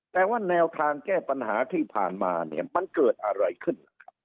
แต่ว่าแนวทางแก้ปัญหาที่ผ่านมาเนี่ยมันเกิดอะไรขึ้นล่ะครับ